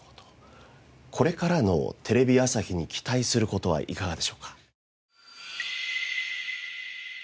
これからのテレビ朝日に期待する事はいかがでしょうか？